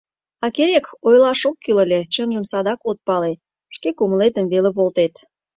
А, керек, ойлаш ок кӱл ыле, чынжым садак от пале, шке кумылетым веле волтет».